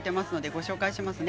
ご紹介します。